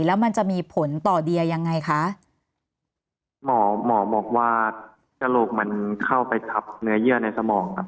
แล้วมันจะมีผลต่อเดียยังไงคะหมอหมอบอกว่ากระโหลกมันเข้าไปทับเนื้อเยื่อในสมองครับ